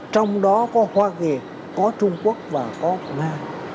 trong đó có hoa kỳ có trung quốc và có nga